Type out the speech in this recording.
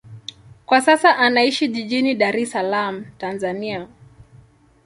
Kwa sasa anaishi jijini Dar es Salaam, Tanzania.